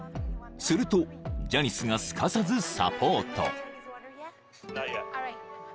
［するとジャニスがすかさずサポート］